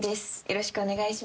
よろしくお願いします。